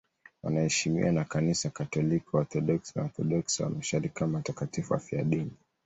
Wanaheshimiwa na Kanisa Katoliki, Waorthodoksi na Waorthodoksi wa Mashariki kama watakatifu wafiadini.